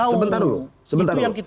sebentar dulu sebentar dulu